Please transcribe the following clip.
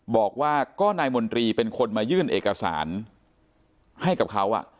บอกว่าก็นายมนตรีเป็นคนมายื่นเอกสารให้กับเขา